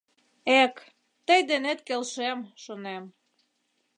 Эк, тый денет келшем, шонем